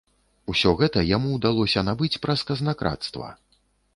Усё гэта яму ўдалося набыць праз казнакрадства.